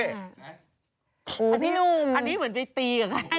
อันนี้เหมือนไปตีกับใคร